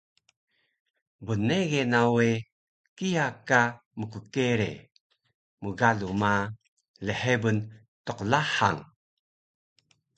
Bnege na we kiya ka mkkere, mgalu ma, lhebun tqlahang